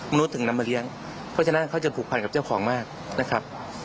นุษย์ถึงนำมาเลี้ยงเพราะฉะนั้นเขาจะผูกพันกับเจ้าของมากนะครับ